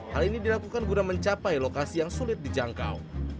hal ini dilakukan guna mencapai lokasi yang sulit dijangkau